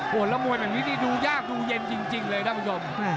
โหดละมวยแบบนี้ดูยากดูเย็นจริงเลยครับคุณผู้ชม